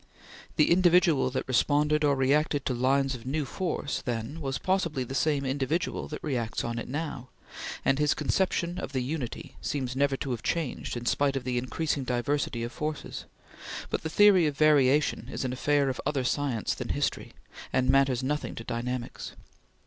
The individual that responded or reacted to lines of new force then was possibly the same individual that reacts on it now, and his conception of the unity seems never to have changed in spite of the increasing diversity of forces; but the theory of variation is an affair of other science than history, and matters nothing to dynamics.